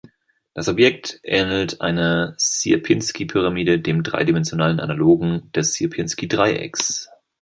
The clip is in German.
Das Objekt ähnelt einer Sierpinski-Pyramide, dem dreidimensionalen Analogon des Sierpinski-Dreiecks.